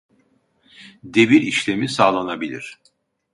Devir işlemi sağlanabilir